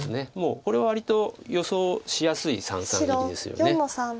もうこれは割と予想しやすい三々入りですよね。